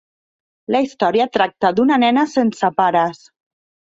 La història tracta d'una nena sense pares.